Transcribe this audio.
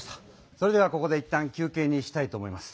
それではここでいったん休けいにしたいと思います。